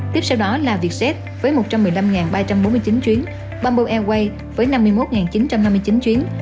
tiếp sau đó là vietjet với một trăm một mươi năm ba trăm bốn mươi chín chuyến bamboo airways với năm mươi một chín trăm năm mươi chín chuyến